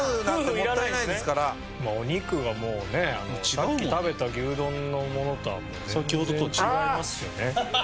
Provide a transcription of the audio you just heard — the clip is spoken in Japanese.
お肉がもうねさっき食べた牛丼のものとはもう全然違いますよね。